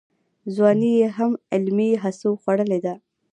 ځواني یې هم علمي هڅو خوړلې ده.